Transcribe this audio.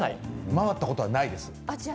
回ったことはないです。